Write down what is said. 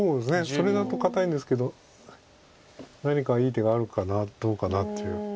それだと堅いんですけど何かいい手があるかなどうかなっていう。